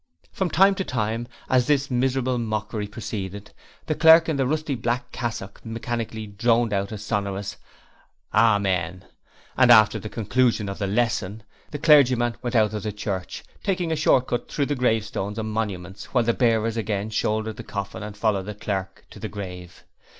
From time to time as this miserable mockery proceeded the clerk in the rusty black cassock mechanically droned out a sonorous 'Ah men', and after the conclusion of the lesson the clergyman went out of the church, taking a short cut through the grave stones and monuments, while the bearers again shouldered the coffin and followed the clerk to the grave.